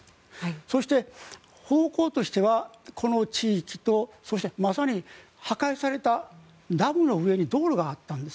そして、方向としてはこの地域とそして、まさに破壊されたダムの上に道路があったんです。